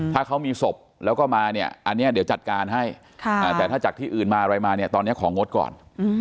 ถ้าเขามีศพแล้วก็มาเนี่ยอันนี้เดี๋ยวจัดการให้แต่ถ้าจากที่อื่นมาอะไรมาเนี่ยตอนนี้ของงดก่อน